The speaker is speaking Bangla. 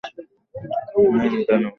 নেয় নি, দাঁড়াও।